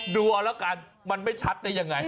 ดูเอาละกันมันไม่ชัดได้ยังไง